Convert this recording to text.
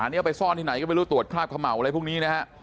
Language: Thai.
อันนี้เอาไปซ่อนที่ไหนก็ไม่รู้ตรวจคราบเขม่าอะไรพวกนี้นะฮะ